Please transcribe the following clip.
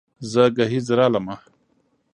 زه ګهيځ رالمه